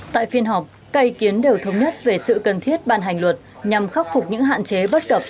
tại phiên họp các ý kiến đều thống nhất về sự cần thiết ban hành luật nhằm khắc phục những hạn chế bất cập